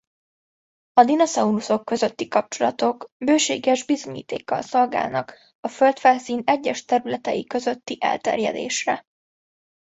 A dinoszauruszok közötti kapcsolatok bőséges bizonyítékkal szolgálnak a földfelszín egyes területei közötti elterjedésre.